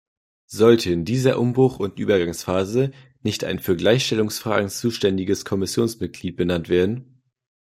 Sollte in dieser Umbruch- und Übergangsphase nicht ein für Gleichstellungsfragen zuständiges Kommissionsmitglied benannt werden?